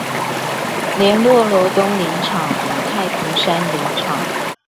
聯絡羅東林場與太平山林場